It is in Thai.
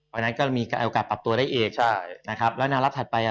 เพราะฉะนั้นก็มีโอกาสปรับตัวได้อีกใช่นะครับแล้วนารัฐถัดไปอ่ะ